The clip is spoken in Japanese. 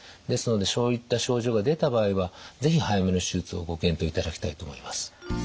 ですのでそういった症状が出た場合は是非早めの手術をご検討いただきたいと思います。